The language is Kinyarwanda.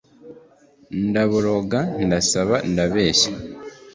ndaboroga, ndasaba, ndabeshya